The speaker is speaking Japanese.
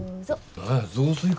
何や雑炊か。